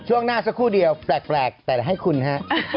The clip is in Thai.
ช่วงหน้าสักครู่เดียวแปลกแต่ให้คุณฮะ